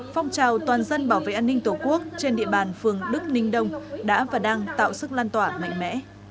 phong trào toàn dân bảo vệ an ninh tổ quốc trên địa bàn phường đức ninh đông đã và đang tạo sức lan tỏa mạnh mẽ